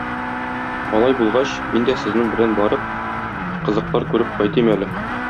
Алай булгач, мин дә сезнең белән барып, кызыклар күреп кайтыйм әле.